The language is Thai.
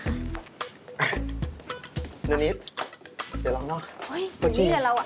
เฮ่ยไม่มีเพื่อนเรา